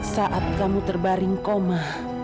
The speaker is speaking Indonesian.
saat kamu terbaring koma